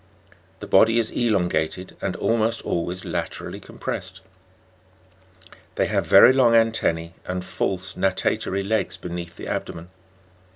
The body is elongated, and almost always laterally compressed; they have very long antennae, and false natatory legs beneath the abdomen.